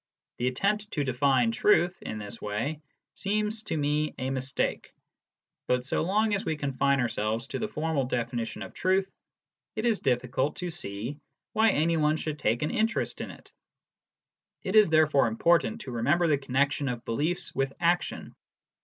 The attempt to define truth in this way seems to me a mistake. But so long as we confine ourselves to the formal definition of truth, it is difficult to see why any one should take an interest in it. It is therefore important to remember the connexion of beliefs with action.